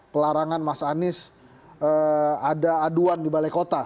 pelarangan mas anies ada aduan di balai kota